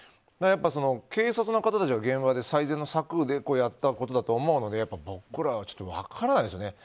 やっぱり、警察の方たちが現場で最善の策でやったことだと思うのでこれはちょっと分からないですね。